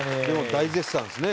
大絶賛ですね